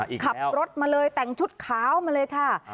ขับรถมาเลยแต่งชุดขาวมาเลยค่ะ